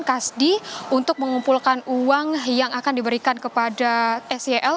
kasdi untuk mengumpulkan uang yang akan diberikan kepada sel